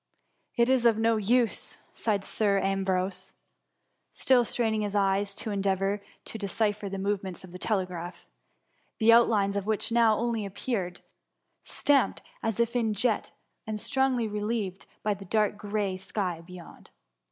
*^It is of no use/' sighed Sir Ambiose, still 48 THE MUMMY. straining his eyes to endeavour to decipher the movements of the telegraph, the outlines of which now only appeared, stamped as if in jet, and strongly relieved by the dark grey sky beyond.